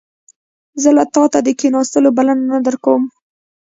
زه تا ته د کښیناستلو بلنه نه درکوم